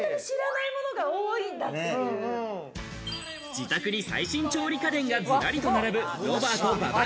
自宅に最新調理家電がずらりと並ぶ、ロバート・馬場。